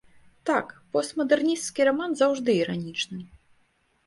Так, постмадэрнісцкі раман заўжды іранічны.